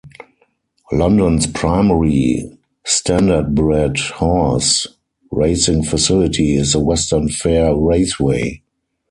London's primary standardbred horse racing facility is the Western Fair Raceway.